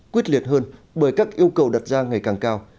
quyết liệt hơn bởi các yêu cầu đặt ra ngày càng cao